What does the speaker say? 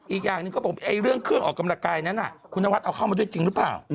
อีกอย่างหนึ่งเขาบอกเรื่องเครื่องออกกำลังกายนั้นคุณนวัดเอาเข้ามาด้วยจริงหรือเปล่า